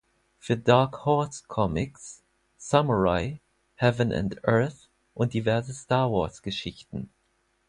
Für Dark Horse Comics "Samurai: Heaven and Earth" und diverse Star Wars Geschichten.